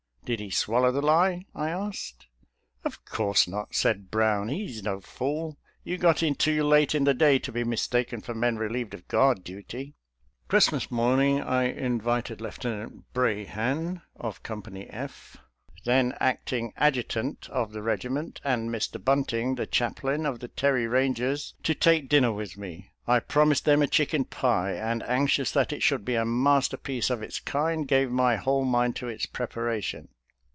" Did he swallow the lie.? " I asked. " Of course not," said Brown, "he is no fool — ^you got in too late in the day to be mistaken for men relieved of guard duty." ♦•• Christmas morning I invited Lieutenant Brahan of Company F — then acting adjutant of the regiment — and Mr. Bunting, the chaplain of the Terry Eangers, to take dinner with me. I promised them a chicken pie, and anxious that it should be a masterpiece of its kind, gave my whole mind to its preparation.